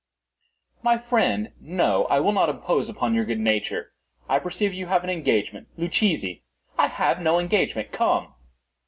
"My friend, no; I will not impose upon your good nature. I perceive you have an engagement. Luchesi—" "I have no engagement;—come."